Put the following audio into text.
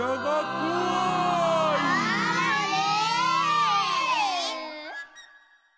「あれ」